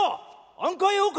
あんか用か！」。